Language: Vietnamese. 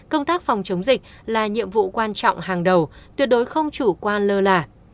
công tác phòng chống dịch là nhiệm vụ quan trọng hàng đầu tuyệt đối không chủ quan lơ là